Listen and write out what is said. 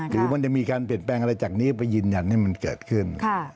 หรือมันจะมีการเปลี่ยนแปลงอะไรจากนี้ไปยืนยันให้มันเกิดขึ้น